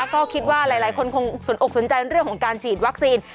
ก็คิดว่าหลายคนคงสนอกสนใจเรื่องของการฉีดวัคซีน